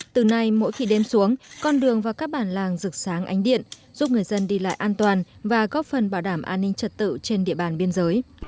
từ nay mỗi khi đêm xuống con đường vào các bản làng rực sáng ánh điện giúp người dân đi lại an toàn và góp phần bảo đảm an ninh trật tự trên địa bàn biên giới